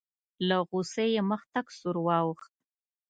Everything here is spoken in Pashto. له غوسې یې مخ تک سور واوښت.